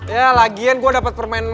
ya lagian gue dapat permainan